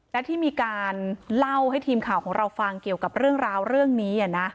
และที่มีการเล่าให้ทีมข่าวของเราฟังเกี่ยวกับเรื่องราวเรื่องนี้